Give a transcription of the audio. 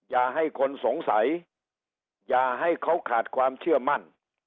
อย่าให้คนสงสัยอย่าให้เขาขาดความเชื่อมั่น